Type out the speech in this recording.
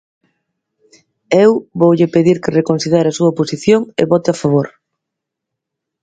Eu voulle pedir que reconsidere a súa posición e vote a favor.